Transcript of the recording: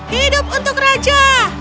hidup untuk raja